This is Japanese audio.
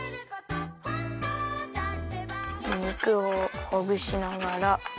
肉をほぐしながら。